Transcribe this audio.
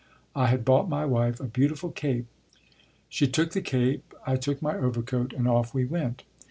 I had bought my wife a beautiful cape. She took the cape, I took my overcoat and off we went.